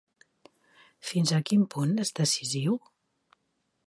Fins a quin punt és decisiu?